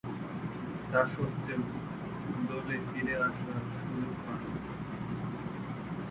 তাসত্ত্বেও, দলে ফিরে আসার সুযোগ পান।